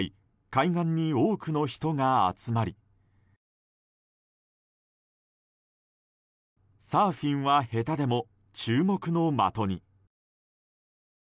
海岸に多くの人が集まりサーフィンは下手でも注目の的に。